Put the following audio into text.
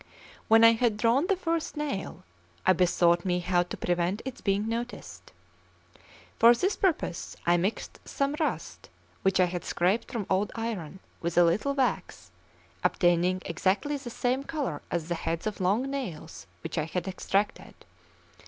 When I had drawn the first nail, I bethought me how to prevent its being noticed. For this purpose I mixed some rust, which I had scraped from old iron, with a little wax, obtaining exactly the same colour as the heads of the long nails which I had extracted.